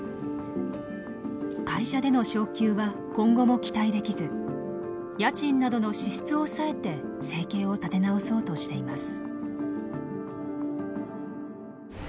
会社での昇給は今後も期待できず家賃などの支出を抑えて生計を立て直そうとしています。